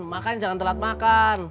makanya jangan telat makan